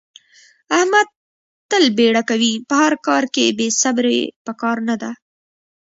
احمد تل بیړه کوي. په هر کار کې بې صبرې په کار نه ده.